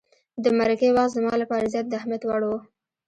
د مرکې وخت زما لپاره زیات د اهمیت وړ وو.